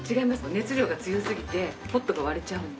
熱量が強すぎてポットが割れちゃうので。